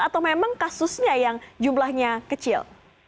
atau memang kasusnya yang jumlahnya kecil